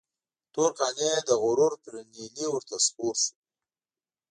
تور قانع د غرور پر نيلي ورته سپور شو.